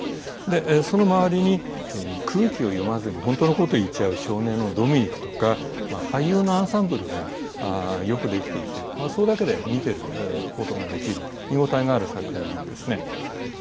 その周りに空気を読まずに本当のことを言っちゃう少年のドミニクとか俳優のアンサンブルがよくできていてそれだけで見ていることができる見応えのある作品なんですね。